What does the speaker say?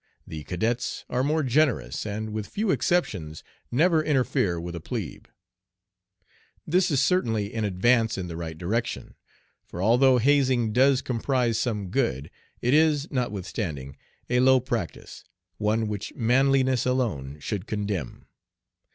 The cadets are more generous, and, with few exceptions, never interfere with a plebe. This is certainly an advance in the right direction; for although hazing does comprise some good, it is, notwithstanding, a low practice, one which manliness alone should condemn.